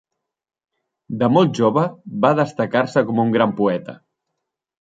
De molt jove va destacar-se com un gran poeta.